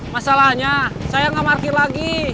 masalahnya saya gak markir lagi